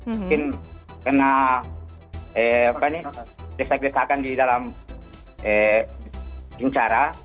mungkin kena desak desakan di dalam pincara